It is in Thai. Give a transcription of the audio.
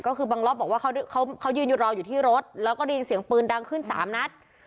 ก็คือบังลอบบอกว่าเขายืนอยู่รออยู่ที่รถแล้วก็ได้ยินเสียงปืนดังขึ้น๓นัด